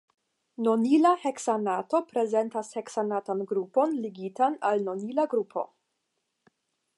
Nonila heksanato prezentas heksanatan grupon ligitan al nonila grupo.